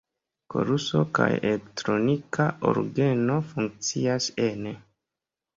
Koruso kaj elektronika orgeno funkcias ene.